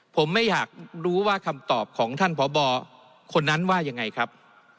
ผมไม่อยากรู้ว่าคำตอบของท่านพบคนนั้นว่ายังไงครับ